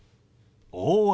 「大雨」。